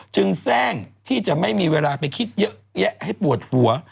แทร่งที่จะไม่มีเวลาไปคิดเยอะแยะให้ปวดหัว